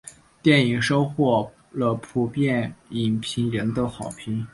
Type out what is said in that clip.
电影收获了普遍影评人的好评。